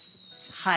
はい。